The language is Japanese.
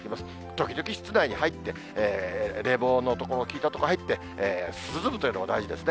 時々室内に入って、冷房の所、効いた所入って、涼むというのも大事ですね。